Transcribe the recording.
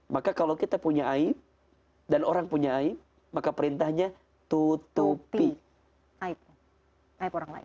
maka kalau kita punya aib dan orang punya aib maka perintahnya tutupi aib orang lain